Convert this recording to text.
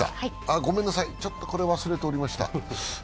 ごめんなさい、これ、忘れておりました。